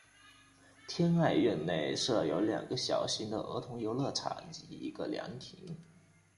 天爱苑内设有两个小型的儿童游乐场及一个凉亭。